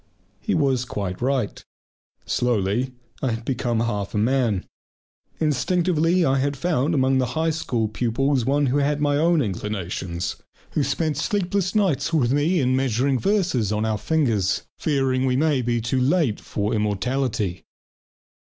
He was quite right. Slowly I had become half a man. Instinctively I had found among the High School pupils one who had my own inclinations, who spent sleepless nights with me in measuring verses on our fingers, fearing we might be too late for immortality.